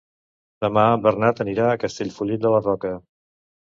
Demà en Bernat anirà a Castellfollit de la Roca.